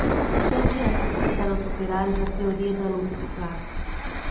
Que adianta explicar aos operários a teoria da luta de classes